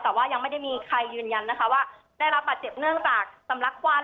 แต่ว่ายังไม่ได้มีใครยืนยันนะคะว่าได้รับบาดเจ็บเนื่องจากสำลักควัน